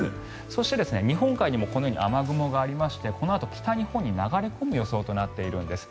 そして、日本海にもこのように雨雲がありましてこのあと北日本に流れ込む予想となっているんです。